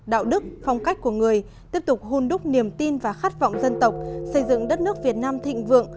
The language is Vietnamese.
đạo đức phong cách của người tiếp tục hôn đúc niềm tin và khát vọng dân tộc xây dựng đất nước việt nam thịnh vượng